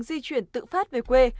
di chuyển tự phát về quê